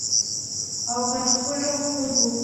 او په خپلو خلکو.